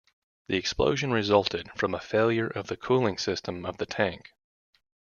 The explosion resulted from a failure of the cooling system of the tank.